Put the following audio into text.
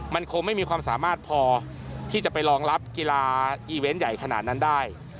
มันคงไม่มีความสามารถพอที่จะไปรองรับกีฬาอีเวนต์ใหญ่ขนาดนั้นได้